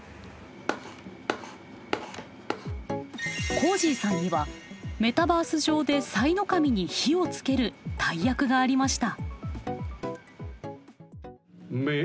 こーじぃさんにはメタバース上でさいの神に火をつける大役がありました。